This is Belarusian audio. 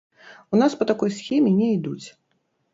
У нас па такой схеме не ідуць.